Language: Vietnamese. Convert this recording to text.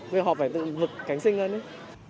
với họ phải tự vực cánh sinh lên